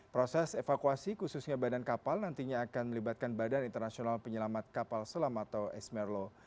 proses evakuasi khususnya badan kapal nantinya akan melibatkan badan internasional penyelamat kapal selam atau esmerlo